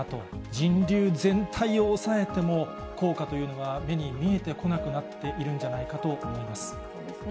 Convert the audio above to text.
人流全体を抑えても、効果というのが目に見えてこなくなってきてるんじゃないかと思いそうですね。